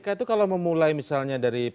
tapi kpk itu kalau memulai misalnya dari pandemi